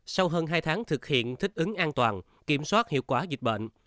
sau hơn hai tháng thực hiện thích ứng an toàn kiểm soát hiệu quả dịch bệnh